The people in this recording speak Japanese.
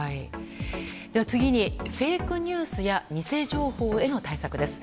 では次にフェイクニュースや偽情報への対策です。